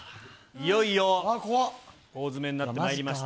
いよいよ、大詰めになってまいりました。